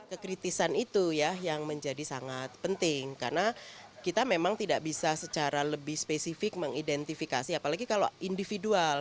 kekritisan itu ya yang menjadi sangat penting karena kita memang tidak bisa secara lebih spesifik mengidentifikasi apalagi kalau individual